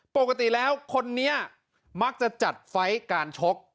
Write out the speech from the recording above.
ปกติแล้วคนนี้มักจะจัดไฟล์การชก